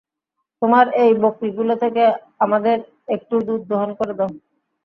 তোমার এই বকরীগুলো থেকে আমাদের একটু দুধ দোহন করে দাও।